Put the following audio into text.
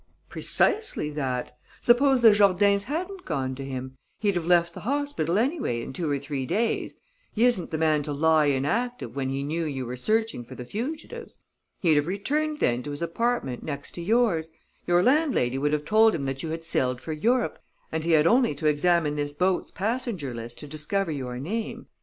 "Precisely that. Suppose the Jourdains hadn't gone to him; he'd have left the hospital anyway in two or three days he isn't the man to lie inactive when he knew you were searching for the fugitives. He'd have returned, then, to his apartment next to yours; your landlady would have told him that you had sailed for Europe, and he had only to examine this boat's passenger list to discover your name.